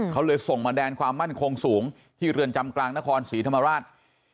เขาเลยส่งมาแดนความมั่นคงสูงที่เรือนจำกลางนครศรีธรรมราช